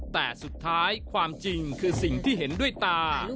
แต่สุดท้ายความจริงคือสิ่งที่เห็นด้วยตา